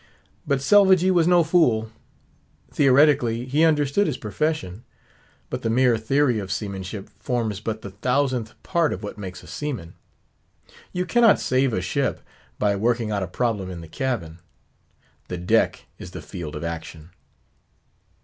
But Selvagee was no fool. Theoretically he understood his profession; but the mere theory of seamanship forms but the thousandth part of what makes a seaman. You cannot save a ship by working out a problem in the cabin; the deck is the field of action.